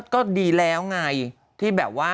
ก็ดีแล้วไงที่แบบว่า